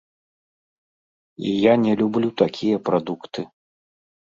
І я не люблю такія прадукты.